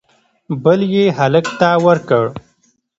بل یې هلک ته ورکړ